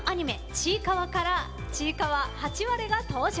「ちいかわ」からちいかわ、ハチワレが登場。